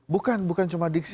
bukan bukan cuma diksi